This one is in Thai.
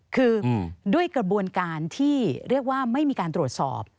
คือด้วยกระบวนการที่เรียกว่าไม่มีการตรวจสอบ